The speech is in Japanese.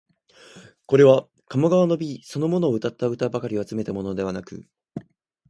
これは鴨川の美そのものをうたった歌ばかりを集めたものではなく、